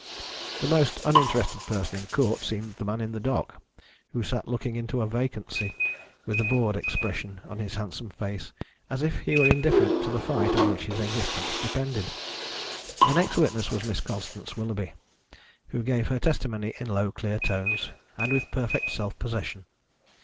The most uninterested person in court seemed the man in the dock, who sat looking into a vacancy with a bored expression on his handsome face, as if he were indifferent to the fight on which his existence depended. The next witness was Miss Constance Willoughby, who gave her testimony in low clear tones, and with perfect self possession.